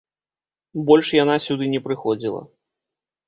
Больш яна сюды не прыходзіла.